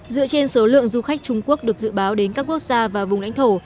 dựa trên số lượng du khách trung quốc được dự báo đến các quốc gia và vùng lãnh thổ